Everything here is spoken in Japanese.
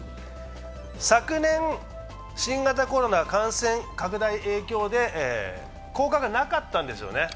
昨年、新型コロナ感染拡大の影響で降格がなかったんですよね。